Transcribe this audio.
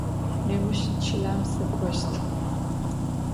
Nêuş çılem sık'oşt.